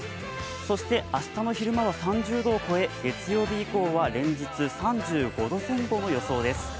そして明日の昼間は３０度を超え月曜日以降は連日３５度前後の予想です。